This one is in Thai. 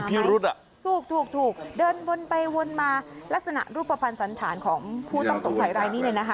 ถูกถูกเดินวนไปวนมาลักษณะรูปภัณฑ์สันธารของผู้ต้องสงสัยรายนี้เนี่ยนะคะ